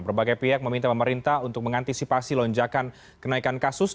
berbagai pihak meminta pemerintah untuk mengantisipasi lonjakan kenaikan kasus